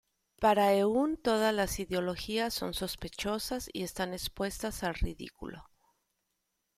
Para Eun, todas las ideologías son sospechosas y están expuestas al ridículo.